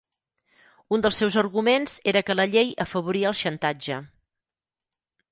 Un dels seus arguments era que la llei afavoria el xantatge.